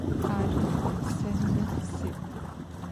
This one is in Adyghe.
Arı, se nı si'.